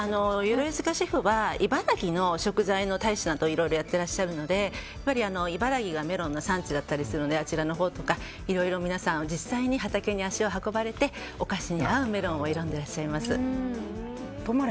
鎧塚シェフは茨城の食材の大使などいろいろやっていらっしゃるので茨城がメロンの産地だったりするのでいろいろ皆さん実際に畑に足を運ばれてお菓子に合うメロンを選んでいらっしゃいます。